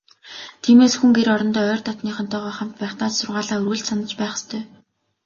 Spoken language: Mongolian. Тиймээс, хүн гэр орондоо ойр дотнынхонтойгоо хамт байхдаа ч сургаалаа үргэлж санаж байх ёстой.